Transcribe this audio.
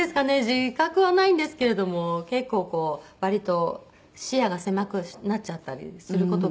自覚はないんですけれども結構こう割と視野が狭くなっちゃったりする事が多いので。